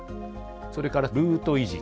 それからルート維持。